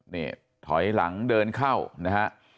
นี่ถอยหลังเดินเข้านะฮะ